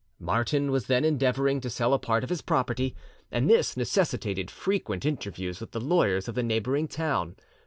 Martin was then endeavoring to sell a part of his property, and this necessitated frequent interviews with the lawyers of the neighbouring town.